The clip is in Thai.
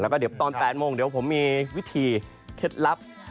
ก็ตอน๘โมงผมจะมีวิธีเข้าล้ำ